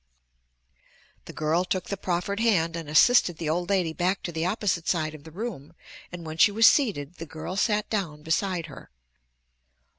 The girl took the proffered hand and assisted the old lady back to the opposite side of the room and when she was seated the girl sat down beside her.